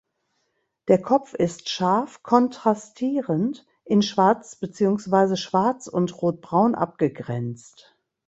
Der Kopf ist scharf kontrastierend in schwarz beziehungsweise schwarz und rotbraun abgegrenzt.